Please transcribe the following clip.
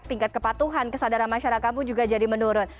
tingkat kepatuhan kesadaran masyarakat pun juga jadi menurun